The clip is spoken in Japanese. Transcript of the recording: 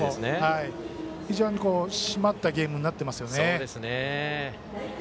非常に締まったゲームになっていますよね。